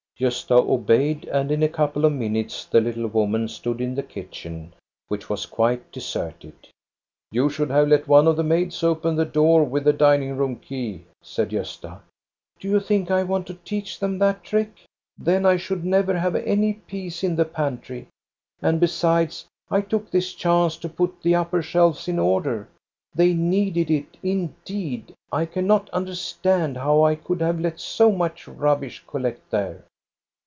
Gosta obeyed, and in a couple of minutes the little woman stood in the kitchen, which was quite deserted. " You should have let one of the maids open the door with the dining room key," said Gosta. "Do you think I want to teach them that trick? Then I should never have any peace in the pantry. And, besides, I took this chance to put the upper shelves in order. They needed it, indeed. I cannot understand how I could have let so much rubbish collect there."